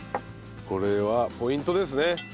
これはポイントですね。